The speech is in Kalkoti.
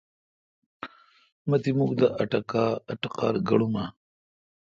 مہ تی مکھ دا اٹقار گڑومہ۔